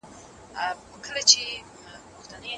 خپل ټول تشویشونه په یو سپین کاغذ باندې ولیکئ.